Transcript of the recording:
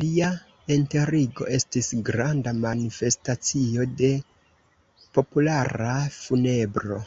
Lia enterigo estis granda manifestacio de populara funebro.